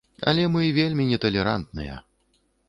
Але мы вельмі неталерантныя.